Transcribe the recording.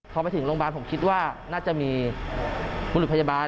พอไปถึงโรงพยาบาลผมคิดว่าน่าจะมีบุรุษพยาบาล